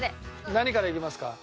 何からいきますか？